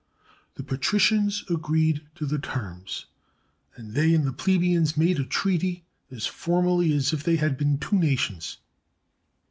The patricians agreed to these terms, and they and the plebeians made a treaty as for mally as if they had been two nations.